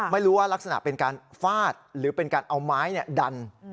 ไม่รู้ว่ารักษณะเป็นการฟาดหรือเป็นการเอาไม้ดัน